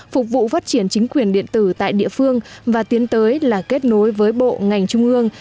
phục vụ phát triển chính quyền điện tử tại địa phương và tiến tới là kết nối với bộ ngành trung ương